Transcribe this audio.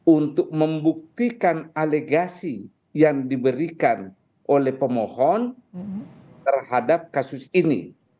untuk membuktikan alegasi yang diberikan oleh pemohon terhadap kasus ini